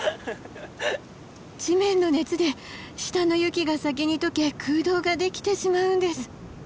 地面の熱で下の雪が先に解け空洞ができてしまうんです。